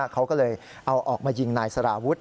เขาก็เลยเอาออกมายิงนายสารวุฒิ